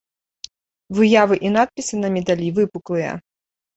Выявы і надпісы на медалі выпуклыя.